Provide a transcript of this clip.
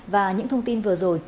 và những thông tin vừa rồi